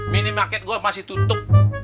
mini market gua masih tutup